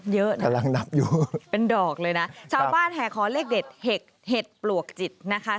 เยอะนะเป็นดอกเลยนะชาวบ้านแห่ขอเลขเด็ดเห็ดปลวกจิกนะคะ